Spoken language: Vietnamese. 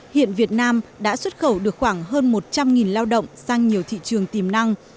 hiện việt nam đã xuất khẩu được khoảng hơn một trăm linh lao động sang nhiều thị trường tiềm năng